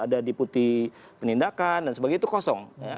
ada deputi penindakan dan sebagainya itu kosong